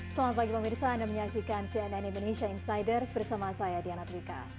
selamat pagi pemirsa anda menyaksikan cnn indonesia insiders bersama saya diana twika